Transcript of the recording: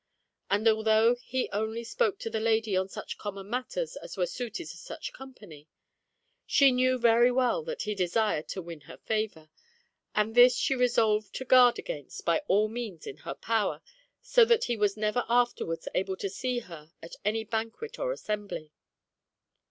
And although he only spoke to the lady on such common matters as were suited to such company, she knew very well that he desired to win her favour, and this she resolved to guard against by all means in her power, so that he was never afterwards able to see her at any banquet or assembly.